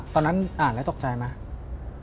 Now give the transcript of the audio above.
ตอนนั้นอ่านแล้วตกใจไหม